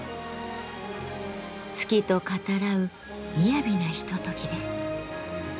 月と語らう雅なひとときです。